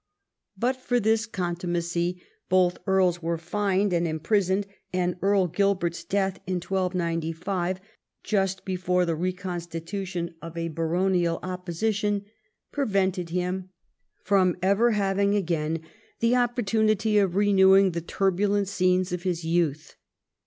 But for this contumacy both earls were fined and im prisoned ; and Earl Gilbert's death in 1295, just before the reconstitution of a baronial opposition, prevented him from ever having again the opportunity of renewing the turbulent scenes of his youth.